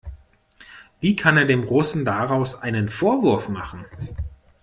Wie kann er dem Russen daraus einem Vorwurf machen?